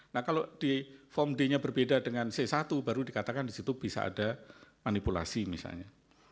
nah kalau di form d nya berbeda dengan c satu baru dikatakan di situ bisa ada manipulasi misalnya